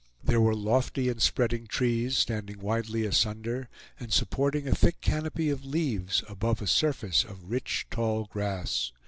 There were lofty and spreading trees, standing widely asunder, and supporting a thick canopy of leaves, above a surface of rich, tall grass.